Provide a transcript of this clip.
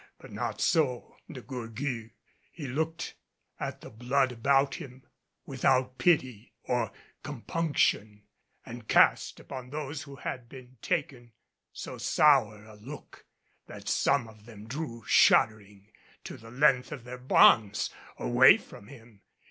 But not so, De Gourgues. He looked at the blood about him without pity or compunction, and cast upon those who had been taken so sour a look that some of them drew shuddering to the length of their bonds away from him.